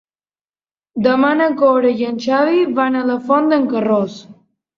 Demà na Cora i en Xavi van a la Font d'en Carròs.